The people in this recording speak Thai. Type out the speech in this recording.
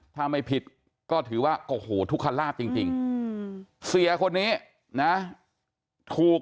ถ้าไม่ผิดก็ถือว่าโอ้โหทุกขลาบจริงเสียคนนี้นะถูก